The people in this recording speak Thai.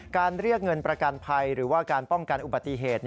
เรียกเงินประกันภัยหรือว่าการป้องกันอุบัติเหตุ